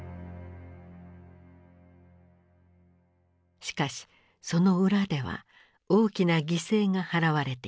しかしその裏では大きな犠牲が払われていた。